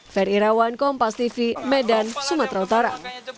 feri rawan kompas tv medan sumatera utara